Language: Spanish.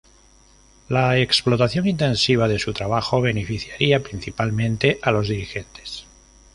La explotación intensiva de su trabajo beneficiaría principalmente a los dirigentes.